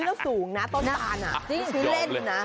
แล้วสุดยอดออกมาต้นตานอ่ะ